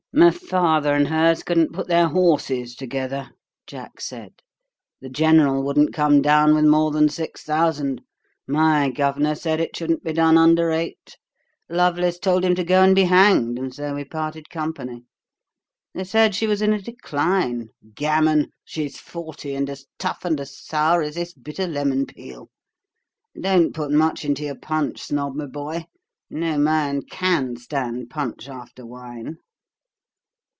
'My father and hers couldn't put their horses together,' Jack said. 'The General wouldn't come down with more than six thousand. My governor said it shouldn't be done under eight. Lovelace told him to go and be hanged, and so we parted company. They said she was in a decline. Gammon! She's forty, and as tough and as sour as this bit of lemon peel. Don't put much into your punch, Snob my boy. No man CAN stand punch after wine.'